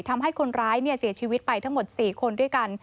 ทำให้คนร้ายเสียชีวิตไปทั้งหมด๔คนด้วยกัน